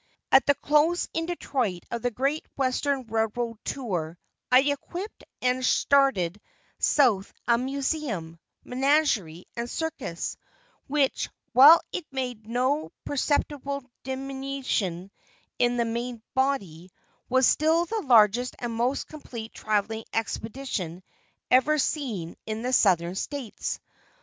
At the close in Detroit of the great Western railroad tour, I equipped and started South a Museum, Menagerie and Circus, which, while it made no perceptible diminution in the main body, was still the largest and most complete travelling expedition ever seen in the Southern States.